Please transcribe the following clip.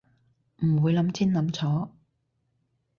唔會諗清諗楚